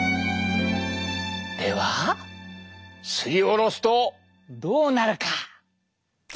ではすりおろすとどうなるか？